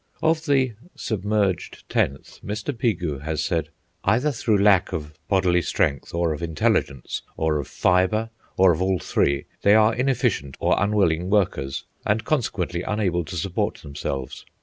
Of the "submerged tenth" Mr. Pigou has said: "Either through lack of bodily strength, or of intelligence, or of fibre, or of all three, they are inefficient or unwilling workers, and consequently unable to support themselves